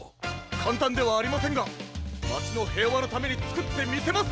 かんたんではありませんがまちのへいわのためにつくってみせます！